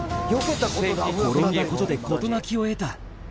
転んだことで事なきを得た。